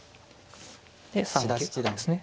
で３九角ですね。